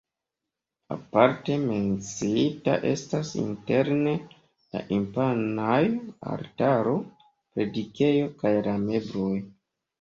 Aparte menciita estas interne la imponaj altaro, predikejo kaj la mebloj.